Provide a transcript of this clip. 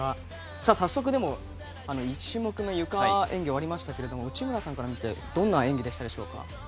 早速、１種目めのゆかの演技が終わりましたが内村さんから見てどんな演技でしたでしょうか？